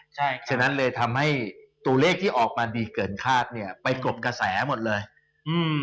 ใช่ฉะนั้นเลยทำให้ตัวเลขที่ออกมาดีเกินคาดเนี้ยไปกลบกระแสหมดเลยอืม